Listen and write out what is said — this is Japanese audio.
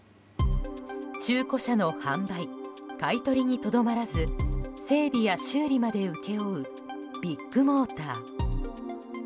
中古車の販売・買い取りにとどまらず整備や修理まで請け負うビッグモーター。